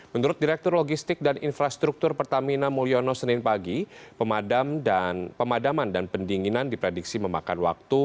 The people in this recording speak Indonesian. menurut direktur logistik dan infrastruktur pertamina mulyono senin pagi pemadaman dan pendinginan diprediksi memakan waktu